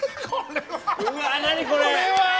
うわ、何これ？